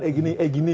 eh gini eh gini